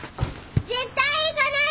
絶対行かない！